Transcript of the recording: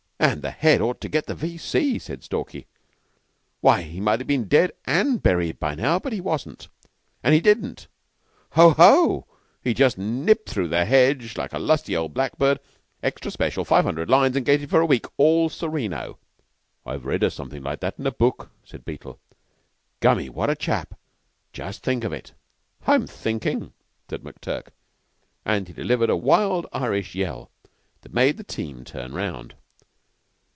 "And the Head ought to get the V.C.," said Stalky. "Why, he might have been dead and buried by now. But he wasn't. But he didn't. Ho! ho! He just nipped through the hedge like a lusty old blackbird. Extra special, five hundred lines, an' gated for a week all sereno!" "I've read o' somethin' like that in a book," said Beetle. "Gummy, what a chap! Just think of it!" "I'm thinking," said McTurk; and he delivered a wild Irish yell that made the team turn round.